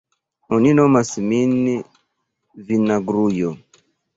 Oni nomas min vinagrujo.